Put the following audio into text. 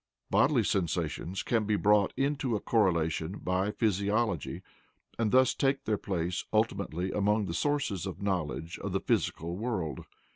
Bodily sensations can be brought into a correlation by physiology, and thus take their place ultimately among sources of knowledge of the physical world.